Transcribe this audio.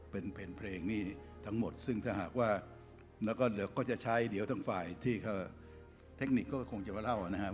เป็นเพลงนี้ทั้งหมดซึ่งถ้าหากว่าแล้วก็เหลือก็จะใช้เดี๋ยวทางฝ่ายที่เทคนิคก็คงจะมาเล่านะครับ